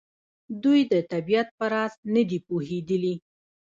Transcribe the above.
دوی د طبیعت په راز نه دي پوهېدلي.